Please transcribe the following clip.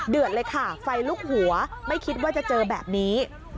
เลยค่ะไฟลุกหัวไม่คิดว่าจะเจอแบบนี้